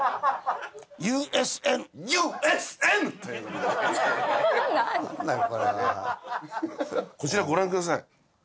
これは。こちらご覧ください。